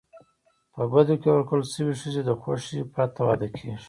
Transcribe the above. په بدو کي ورکول سوي ښځي د خوښی پرته واده کيږي.